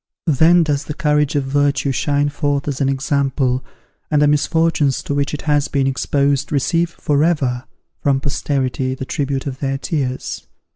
Then does the courage of virtue shine forth as an example, and the misfortunes to which it has been exposed receive for ever, from posterity, the tribute of their tears.